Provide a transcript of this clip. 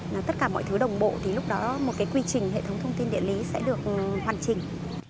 và tất cả mọi thứ đồng bộ thì lúc đó một cái quy trình hệ thống thông tin điện lý sẽ được hoàn chỉnh